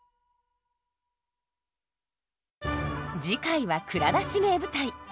次回は「蔵出し！名舞台」。